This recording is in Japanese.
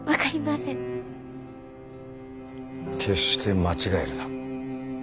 決して間違えるな。